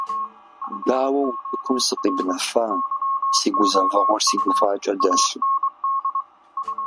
Дауэ утыкум сыкъибнэфа си гузэвэгъуэр си гуфӀакӀэ дэлъу?